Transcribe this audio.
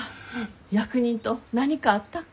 役人と何かあったか？